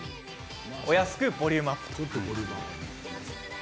お安くボリュームアップ。